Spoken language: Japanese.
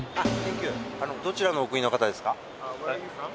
どちらのお国の方ですか？